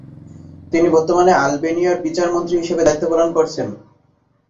তিনি বর্তমানে আলবেনিয়ার বিচার মন্ত্রী হিসেবে দায়িত্ব পালন করছেন।